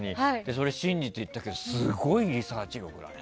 それを信じていたけどすごいリサーチ力だね。